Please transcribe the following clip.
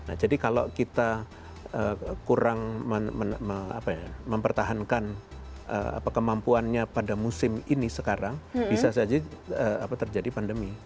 nah jadi kalau kita kurang mempertahankan kemampuannya pada musim ini sekarang bisa saja terjadi pandemi